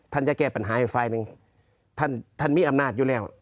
ท่านจะแก้ปัญหาให้ฟายหนึ่งท่านมีอำนาจอยู่แล้ว